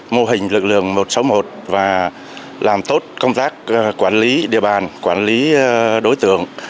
mô hình lực lượng một trăm sáu mươi một và làm tốt công tác quản lý địa bàn quản lý đối tượng